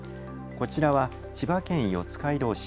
こちらは千葉県四街道市。